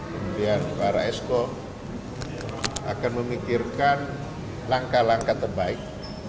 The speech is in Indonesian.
kemudian para esko akan memikirkan langkah langkah terbaik